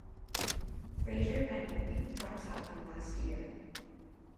Fraser Renwick drops out from last year.